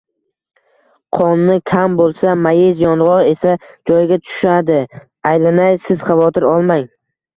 Qoni kam bo`lsa, mayiz, yong`oq esa joyiga tushadi, aylanay, siz xavotir olmang